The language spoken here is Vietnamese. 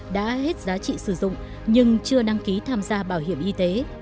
đã hết giá trị sử dụng nhưng chưa đăng ký tham gia bảo hiểm y tế